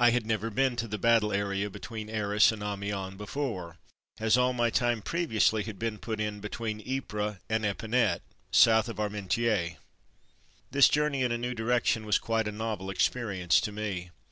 I had never been to the battle area between Arras and Amiens before, as all my time previously had been put in between Ypres and Epinette (south of Armentieres). This journey in a new direction was quite a novel experience to me.